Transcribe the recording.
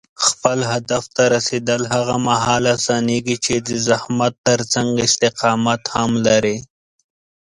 خپل هدف ته رسېدل هغه مهال اسانېږي چې د زحمت ترڅنګ استقامت هم لرې.